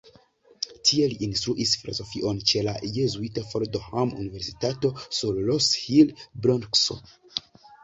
Tie li instruis filozofion ĉe la jezuita Fordham-universitato sur Rose Hill, Bronkso.